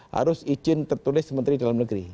harus izin tertulis menteri dalam negeri